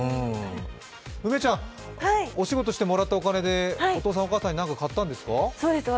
梅ちゃんお仕事してもらったお金でお父さんお母さんに何か買ったんですか？